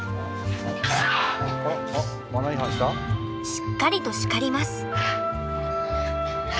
しっかりと叱ります。